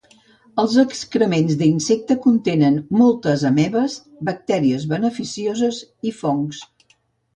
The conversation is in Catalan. Els excrements d'insecte contenent moltes amebes, bactèries beneficioses i fongs.